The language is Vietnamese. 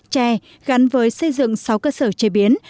chè gắn với xây dựng sáu cơ sở chế biến